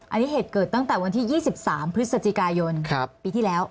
อันนี้เหตุเกิดตั้งแต่วันที่๒๓พฤศจิกายนปีที่แล้ว